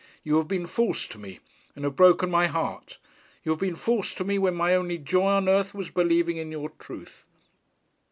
You have been false to me, and have broken my heart. You have been false to me, when my only joy on earth was in believing in your truth.